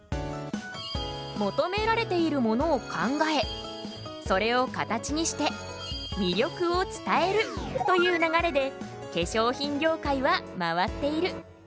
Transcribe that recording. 求められているものを考えそれを形にして魅力を伝えるという流れで化粧品業界は回っている。